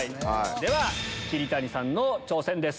では桐谷さんの挑戦です。